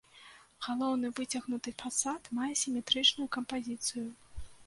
Галоўны выцягнуты фасад мае сіметрычную кампазіцыю.